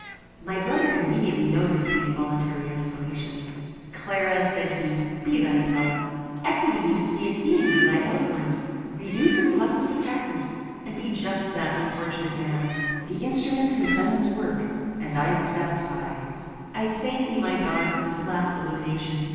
My brother immediately noticed the involuntary exclamation: "Clara!" said he, "be thyself. Equity used to be a theme for thy eloquence. Reduce its lessons to practice, and be just to that unfortunate man. The instrument has done its work, and I am satisfied. "I thank thee, my God, for this last illumination!